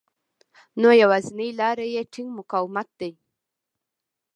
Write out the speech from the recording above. نو يوازېنۍ لاره يې ټينګ مقاومت دی.